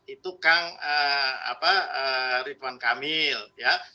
itu kang ridwan kamil ya